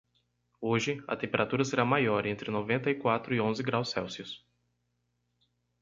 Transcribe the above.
Hoje, a temperatura será maior entre noventa e quatro e onze graus Celsius.